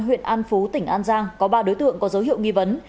huyện an phú tỉnh an giang có ba đối tượng có dấu hiệu nghi vấn